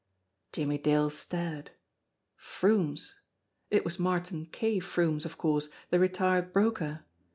Jimmie Dale stared. Froomes! It was Martin K. Froomes, of course, the retired broker.